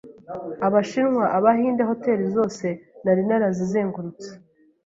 abashinwa, abahinde, hoteli zose nari narazizengurutse